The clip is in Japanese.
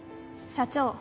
社長